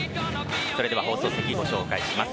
それでは放送席を紹介します。